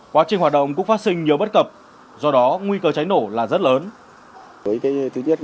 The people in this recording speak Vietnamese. quá trình hoạt động cũng phát sinh nhiều bất cập do đó nguy cơ cháy nổ là rất lớn